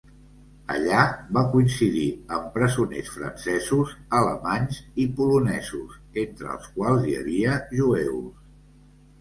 Allà va coincidir amb presoners francesos, alemanys i polonesos, entre els quals hi havia jueus.